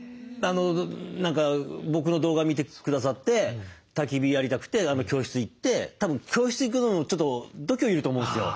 何か僕の動画見てくださってたき火やりたくて教室行ってたぶん教室行くのもちょっと度胸要ると思うんですよ。